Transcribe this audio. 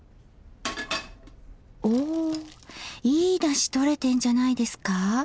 おいいだしとれてんじゃないですか。